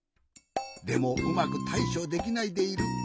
でもうまくたいしょできないでいる。